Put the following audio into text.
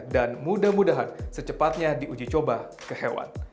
dan mudah mudahan secepatnya diuji coba ke hewan